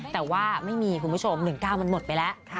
แต่ว่าไม่มีคุณผู้ชม๑๙มันหมดไปแล้ว